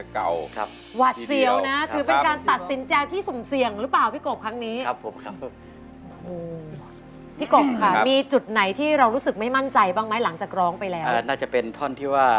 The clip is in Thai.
การฝีชายนะครับ